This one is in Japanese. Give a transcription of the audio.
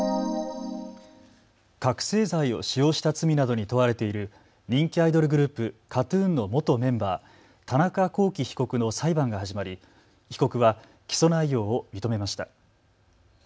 覚醒剤を使用した罪などに問われている人気アイドルグループ、ＫＡＴーＴＵＮの元メンバー、田中聖被告の裁判が始まり被告は起訴内容を認めました。